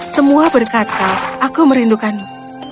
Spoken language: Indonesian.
semua berkata aku merindukanmu